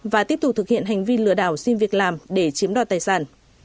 và tiếp tục thực hiện hành vi lừa đảo xin việc làm để chiếm đoạt tài sản